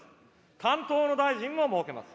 担当の大臣も設けます。